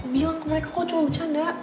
bilang mereka kok cuma bercanda